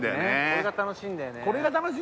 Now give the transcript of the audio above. これが楽しいんだよね。